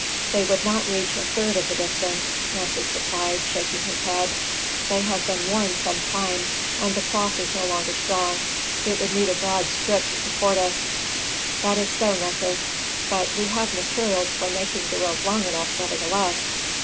"They would not reach a third of the distance," Nessus replied, shaking his head. "They have been worn some time, and the cloth is no longer strong. It would need a broad strip to support us." "That is so, Nessus, but we have materials for making the rope long enough, nevertheless."